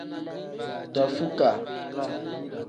Dafukaa.